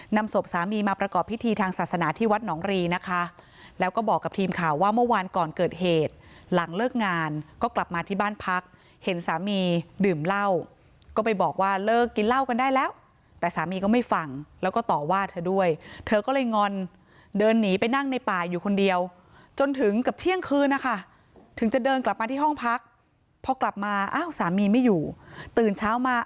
นำศพสามีมาประกอบพิธีทางศาสนาที่วัดหนองรีนะคะแล้วก็บอกกับทีมข่าวว่าเมื่อวานก่อนเกิดเหตุหลังเลิกงานก็กลับมาที่บ้านพักเห็นสามีดื่มเหล้าก็ไปบอกว่าเลิกกินเหล้ากันได้แล้วแต่สามีก็ไม่ฟังแล้วก็ต่อว่าเธอด้วยเธอก็เลยงอนเดินหนีไปนั่งในป่าอยู่คนเดียวจนถึงกับเที่ยงคืนนะคะถึงจะเดินกลับมาที่ห้องพักพอกลับมาอ้าวสามีไม่อยู่ตื่นเช้ามา